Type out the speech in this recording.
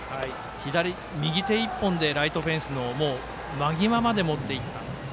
右手１本でライトフェンスの間際までもっていった。